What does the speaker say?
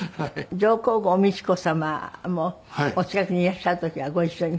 上皇后美智子さまもお近くにいらっしゃる時はご一緒に？